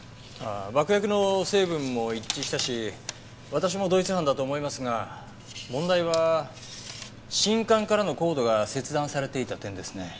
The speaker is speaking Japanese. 爆薬の成分も一致したし私も同一犯だと思いますが問題は信管からのコードが切断されていた点ですね。